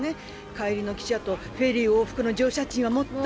帰りの汽車とフェリー往復の乗車賃は持った？